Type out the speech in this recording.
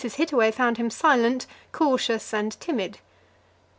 Hittaway found him silent, cautious, and timid.